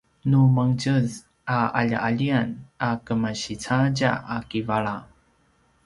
nu mangetjez a qalialian a kemasi cadja a kivala